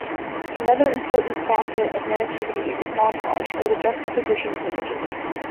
Another important facet of narrativity is montage, or the juxtaposition of images.